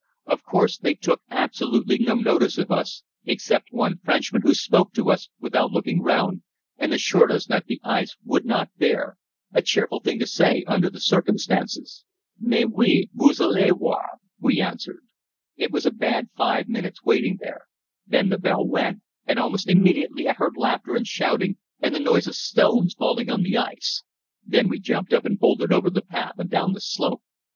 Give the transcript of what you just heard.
Of course they took absolutely no notice of us, except one Frenchman who spoke to us without looking round and assured us that the ice would not bear a cheerful thing to say under the circumstances. "Mais oui, vous allez voir," we answered. It was a bad five minutes waiting there. Then the bell went, and almost immediately I heard laughter and shouting and the noise of stones falling on the ice. Then we jumped up and bolted over the path and down the slope.